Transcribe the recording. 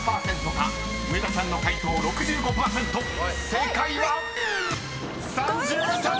［正解は⁉］